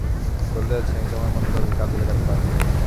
বলতে চাচ্ছি, আমি তোমার মতো কাউকে কাজে লাগাতে পারব।